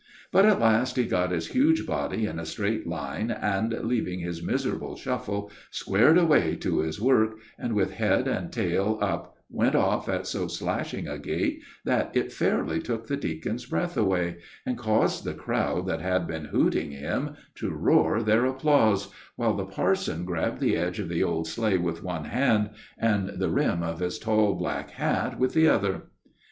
But at last he got his huge body in a straight line, and, leaving his miserable shuffle, squared away to his work, and, with head and tail up, went off at so slashing a gait that it fairly took the deacon's breath away, and caused the crowd that had been hooting him to roar their applause, while the parson grabbed the edge of the old sleigh with one hand and the rim of his tall black hat with the other.